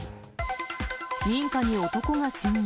民家に男が侵入。